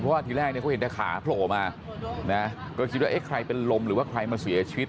เพราะว่าทีแรกเนี่ยเขาเห็นแต่ขาโผล่มานะก็คิดว่าเอ๊ะใครเป็นลมหรือว่าใครมาเสียชีวิต